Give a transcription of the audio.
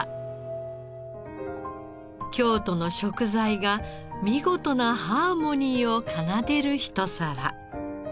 京都の食材が見事なハーモニーを奏でるひと皿。